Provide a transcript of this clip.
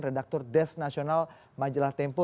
redaktor desk nasional majalah tempo